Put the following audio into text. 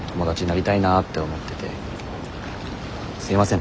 すいません